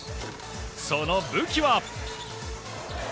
その武器は。